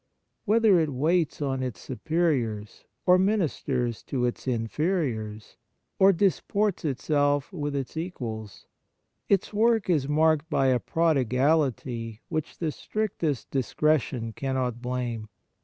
Whether it waits on its superiors, or ministers to its inferiors, or disports itself with its equals, its work is marked by a prodigality which the strictest discretion cannot blame.